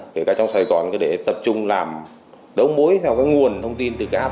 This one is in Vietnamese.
kể cả trong sài gòn để tập trung làm đống mối theo cái nguồn thông tin từ cái app đó ra